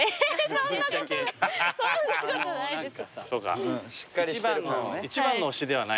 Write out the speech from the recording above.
そんなことないですよ。